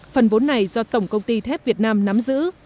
phần vốn này do tổng công ty thép việt nam nắm giữ